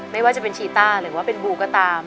ไม่ว่าจะเป็นชีต้าหรือว่าเป็นบูก็ตาม